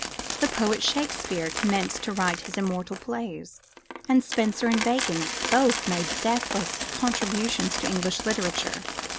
The poet Shakespeare commenced to write his immortal plays, and Spenser and Bacon both made deathless contributions to English literature.